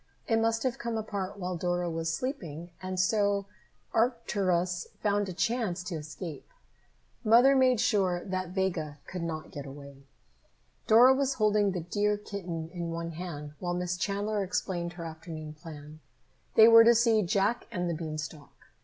It must have come apart while Dora was sleeping, and so Arcturus found a chance to escape. Mother made sure that Vega could not get away. Dora was holding the dear kitten in one hand while Miss Chandler explained her afternoon plan. They were to see "Jack and the Beanstalk."